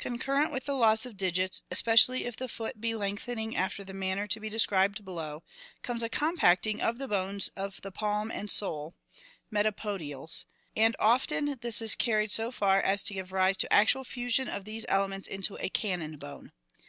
Concurrent with the loss of digits, especially if the foot be length ening after the manner to be described below, comes a compacting of the bones of the palm and sole (metapodials) and often this is carried so far as to give rise to actual fusion of these elements into a "cannon bone."